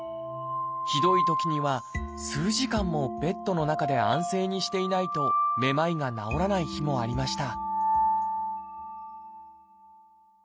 ひどいときには数時間もベッドの中で安静にしていないとめまいが治らない日もありました